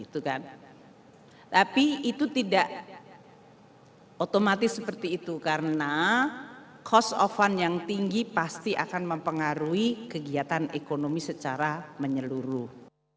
tapi itu tidak otomatis seperti itu karena cost of fund yang tinggi pasti akan mempengaruhi kegiatan ekonomi secara menyeluruh